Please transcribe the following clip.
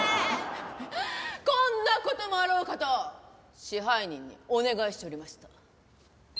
こんな事もあろうかと支配人にお願いしておりました。